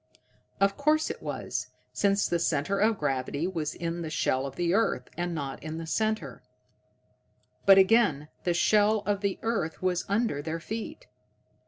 _ Of course it was, since the center of gravity was in the shell of the earth, and not in the center! But, again, the shell of the earth was under their feet!